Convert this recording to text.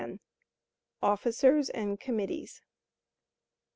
Officers and Committees.